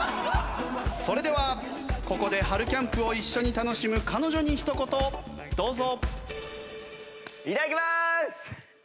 それではここで春キャンプを一緒に楽しむ彼女にひと言どうぞ。